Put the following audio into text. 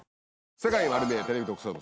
『世界まる見え！テレビ特捜部』